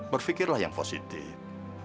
berpikirlah yang positif